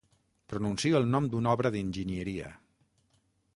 Pronuncio el nom d'una obra d'enginyeria.